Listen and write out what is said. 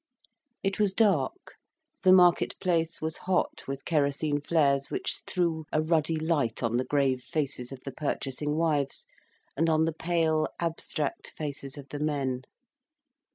It was dark, the market place was hot with kerosene flares, which threw a ruddy light on the grave faces of the purchasing wives, and on the pale abstract faces of the men.